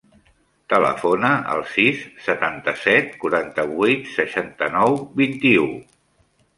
Telefona al sis, setanta-set, quaranta-vuit, seixanta-nou, vint-i-u.